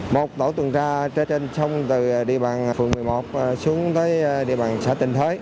một tổ tuần tra trên sông từ địa bàn phường một mươi một xuống tới địa bàn xã tình thới